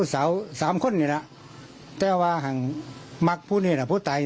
สามคนอยู่แล้วแต่ว่าหังมักพูดเนียนหรือพูดตาย